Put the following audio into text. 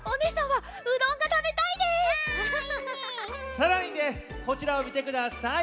さらにねこちらをみてください。